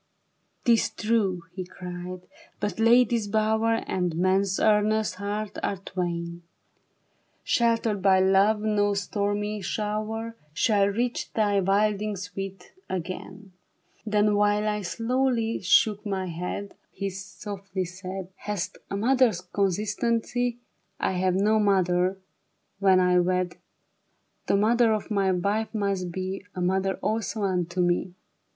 'Tis true," he cried, " but lady's bower And a man's earnest heart are twain : 109 J 10 THE BARRICADE. Sheltered by love, no stormy shower Shall reach thy wilding sweet, again." Then while I slowly shook my head, He softly said, " Thou hast a mother's constancy ; I have no mother ; when I wed, The mother of my wife must be A mother also unto me.''